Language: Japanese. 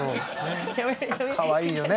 かわいいよね。